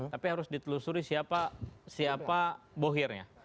tapi harus ditelusuri siapa bohirnya